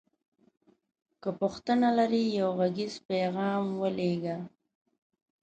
که پوښتنه لری یو غږیز پیغام ولیږه